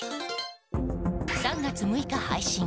３月６日配信。